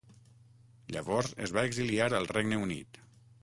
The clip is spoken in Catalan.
Llavors es va exiliar al Regne Unit.